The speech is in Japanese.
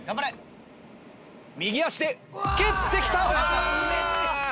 右足で蹴ってきた！